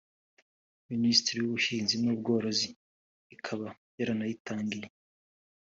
Minisiteri y’Ubuhinzi n’Ubworozi ikaba yaranayitangiye